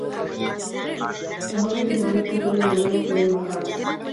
La joven que sirvió al pintor de modelo fue Emma Hart.